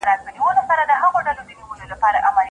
ډیموکراسي تر نظامي کودتاګانو ډېره ګټوره وه.